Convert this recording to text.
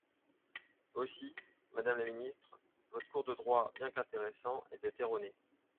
Aussi, madame la ministre, votre cours de droit, bien qu’intéressant, était erroné.